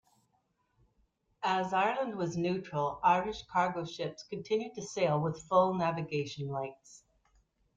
As Ireland was neutral, Irish cargo ships continued to sail with full navigation lights.